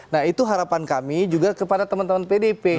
nah itu harapan kami juga kepada teman teman pdp